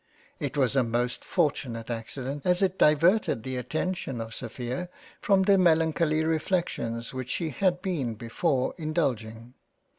It was a most fortunate accident as it diverted the attention of Sophia from the melancholy reflections which she had been before indulging.